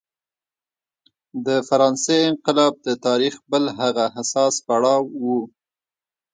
د فرانسې انقلاب د تاریخ بل هغه حساس پړاو و.